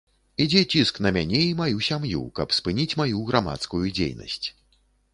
Ідзе ціск на мяне і маю сям'ю, каб спыніць маю грамадскую дзейнасць.